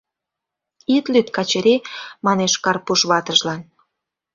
— Ит лӱд, Качыри, — манеш Карпуш ватыжлан.